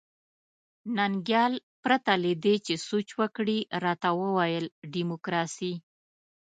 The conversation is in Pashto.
ننګیال پرته له دې چې سوچ وکړي راته وویل ډیموکراسي.